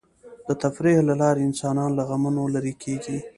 د تفریح له لارې انسان له غمونو لرې کېږي.